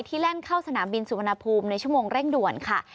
แล่นเข้าสนามบินสุวรรณภูมิในชั่วโมงเร่งด่วนค่ะ